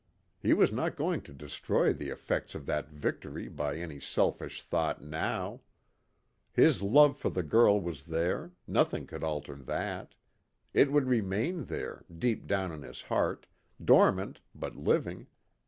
He was not going to destroy the effects of that victory by any selfish thought now. His love for the girl was there, nothing could alter that. It would remain there, deep down in his heart, dormant but living.